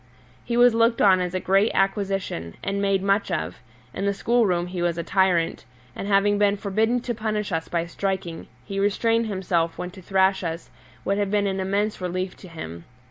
He was looked on as a great acquisition, and made much of; in the school room he was a tyrant, and having been forbidden to punish us by striking, he restrained himself when to thrash us would have been an immense relief to him.